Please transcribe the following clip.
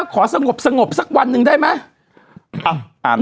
ขอสงบสักวันหนึ่งได้ไหม